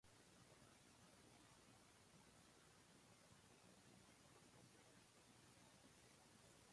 Five superintendents and three principals were in place during that period.